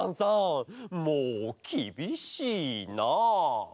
もうきびしいなあ。